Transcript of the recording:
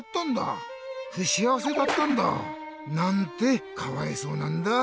ふしあわせだったんだ。なんてかわいそうなんだ。